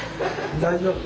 大丈夫？